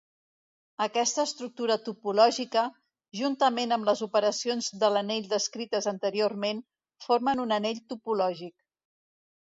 Aquesta estructura topològica, juntament amb les operacions de l'anell descrites anteriorment, formen un anell topològic.